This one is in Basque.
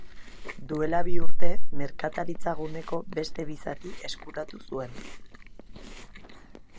Duela bi urte, merkataritza-guneko beste bi zati eskuratu zuen.